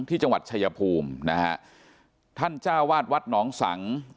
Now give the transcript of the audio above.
ที่จังหวัดชายภูมินะฮะท่านเจ้าวาดวัดหนองสัง